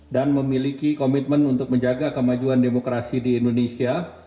dan memiliki komitmen untuk menjaga kemajuan demokrasi di indonesia